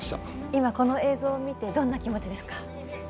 今この映像を見てどんな気持ちですか？